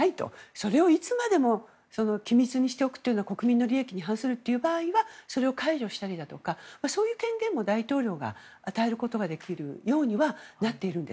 それをいつまでも機密にしておくということは国民の利益に反するという場合はそれを解除したりだとかそういう点でも大統領が、権限を与えることができるようになっているんです。